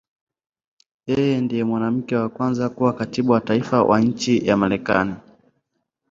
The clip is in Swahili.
Yeye ndiye mwanamke wa kwanza kuwa Katibu wa Taifa wa nchi ya Marekani.